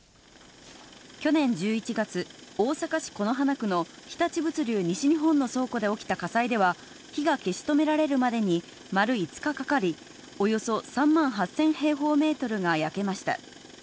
去年１１月、大阪市此花区の日立物流西日本の倉庫で起きた火災では、火が消し止められるまでに丸５日かかり、およそ３万８０００平方メートルが焼けました。